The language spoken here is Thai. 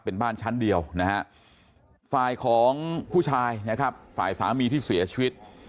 เป็นบ้านชั้นเดียวนะฮะฝ่ายของผู้ชายนะครับฝ่ายสามีที่เสียชีวิต